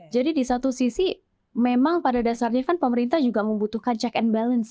jadi di satu sisi memang pada dasarnya kan pemerintah juga membutuhkan check and balance